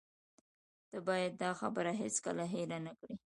ته باید دا خبره هیڅکله هیره نه کړې